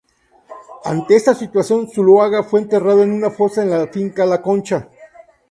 Ante esta situación Zuluaga fue enterrado en una fosa en la finca "La Concha".